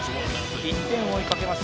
１点を追いかけます